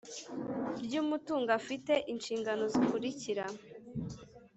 Ry Umutungo Afite Inshingano Zikurikira